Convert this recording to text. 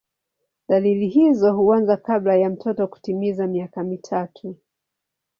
Dalili hizo huanza kabla ya mtoto kutimiza miaka mitatu.